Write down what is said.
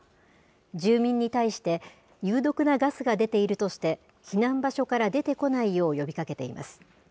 住民に対して有毒なガスが出ているとして、避難場所から出てこないよう呼びかけています。